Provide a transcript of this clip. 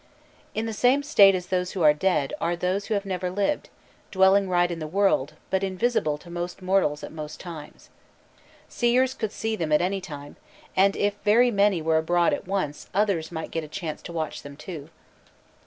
_ In the same state as those who are dead, are those who have never lived, dwelling right in the world, but invisible to most mortals at most times. Seers could see them at any time, and if very many were abroad at once others might get a chance to watch them too.